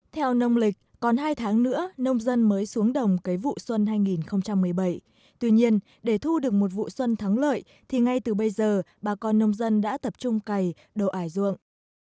theo nông lịch còn hai tháng nữa nông dân mới xuống đồng cấy vụ xuân hai nghìn một mươi bảy tuy nhiên để thu được một vụ xuân thắng lợi thì ngay từ bây giờ bà con nông dân đã tập trung cày đồ ải ruộng